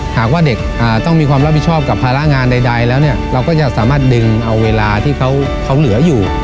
หากว่าเด็กต้องมีความรับผิดชอบกับภาระงานใดแล้วเนี่ยเราก็จะสามารถดึงเอาเวลาที่เขาเหลืออยู่